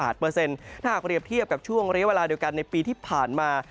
ถ้าหากเรียบเทียบกับช่วงเรียกเวลาเดียวกันในปีที่ผ่านมา